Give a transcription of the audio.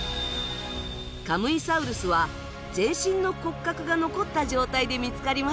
カムイサウルスは全身の骨格が残った状態で見つかりました。